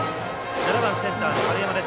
７番センターの春山です。